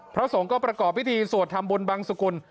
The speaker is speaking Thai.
พระสงฆ์ก็ประกอบพิธีสวดทำบุญบังสุกุล